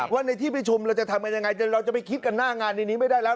ว่าในที่ประชุมเราจะทำกันยังไงเราจะไปคิดกันหน้างานในนี้ไม่ได้แล้ว